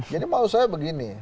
jadi mau saya begini